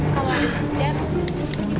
kalau itu jeff